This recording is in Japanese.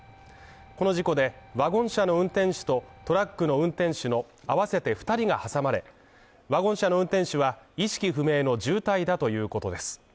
この事故で、ワゴン車の運転手とトラックの運転手のあわせて２人が挟まれ、ワゴン車の運転手は意識不明の重体だということです。